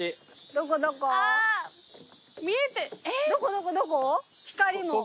どこどこどこ？